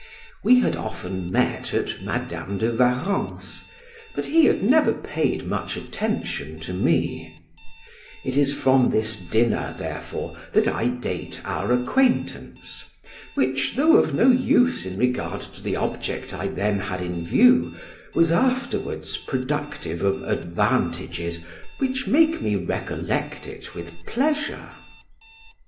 We had often met at Madam de Warrens, but he had never paid much attention to me; it is from this dinner, therefore, that I date our acquaintance, which, though of no use in regard to the object I then had in view, was afterwards productive of advantages which make me recollect it with pleasure.